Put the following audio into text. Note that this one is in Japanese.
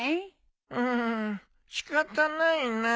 うん仕方ないな。